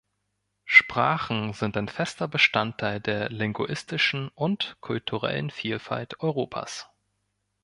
Sprachen sind ein fester Bestandteil der linguistischen und kulturellen Vielfalt Europas.